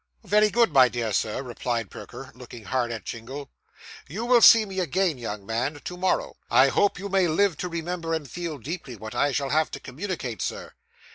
'Very good, my dear Sir,' replied Perker, looking hard at Jingle. 'You will see me again, young man, to morrow. I hope you may live to remember and feel deeply, what I shall have to communicate, Sir.